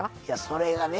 それがね